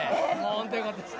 本当によかったです。